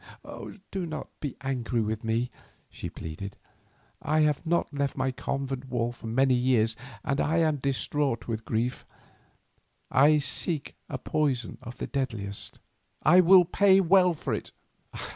"Do not be angry with me," she pleaded; "I have not left my convent walls for many years and I am distraught with grief. I seek a poison of the deadliest. I will pay well for it."